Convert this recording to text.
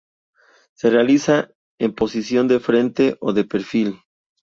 Se realiza en posición de frente o de perfil.